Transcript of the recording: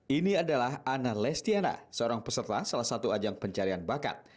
ini adalah ana lestiana seorang peserta salah satu ajang pencarian bakat